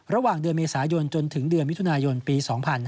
ระหว่างเดือนเมษายนจนถึงเดือนมิถุนายนปี๒๕๕๙